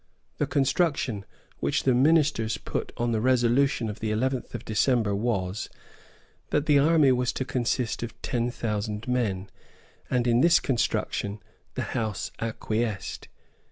The construction which the ministers put on the resolution of the eleventh of December was, that the army was to consist of ten thousand men; and in this construction the House acquiesced.